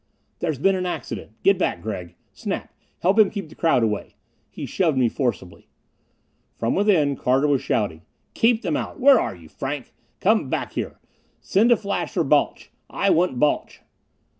"There's been an accident! Get back, Gregg! Snap, help him keep the crowd away." He shoved me forcibly. From within, Carter was shouting, "Keep them out! Where are you, Frank? Come back here! Send a flash for Balch I want Balch!"